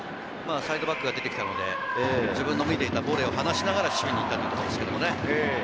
サイドバックが出てきたので、自分の見ていたボールを話しながら守備に立ってることでしょうね。